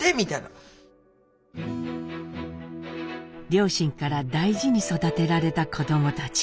両親から大事に育てられた子どもたち。